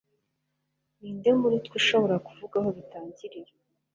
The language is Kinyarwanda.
Ninde muri twe ushobora kuvuga aho bitangirira